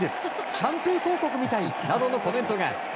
「シャンプー広告みたい」などのコメントが。